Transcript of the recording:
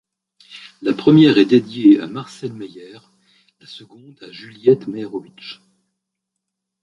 La première est dédiée à Marcelle Meyer, la seconde à Juliette Méerovitch.